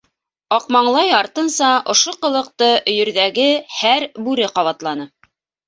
Аҡмаңлай артынса ошо ҡылыҡты өйөрҙәге һәр бүре ҡабатланы.